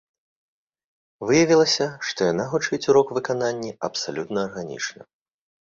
Выявілася, што яна гучыць у рок-выкананні абсалютна арганічна.